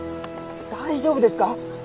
大丈夫ですか？